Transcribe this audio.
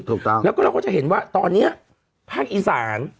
ถูกต้องแล้วก็เราก็จะเห็นว่าตอนนี้ภาคอีสาน